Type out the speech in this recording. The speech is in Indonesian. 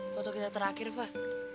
foto kita terakhir fah